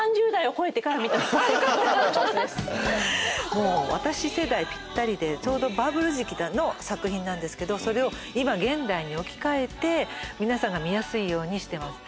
もう私世代ぴったりでちょうどバブル時期の作品なんですけどそれを今現代に置き換えて皆さんが見やすいようにしてます。